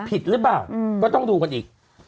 ผิดหรือเปล่าก็ต้องดูกันอีก